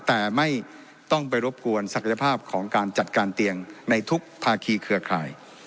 แต่ไม่ต้องไปรบกวนศักยภาพของการจัดการเตียงในทุกภาคีเครือข่าย